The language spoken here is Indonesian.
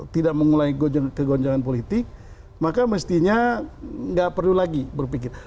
tidak mengulangi kegoncangan politik maka mestinya nggak perlu lagi berpikir